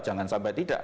jangan sampai tidak